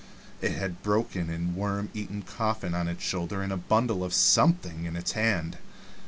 It had a broken and worm eaten coffin on its shoulder and a bundle of something in its hand.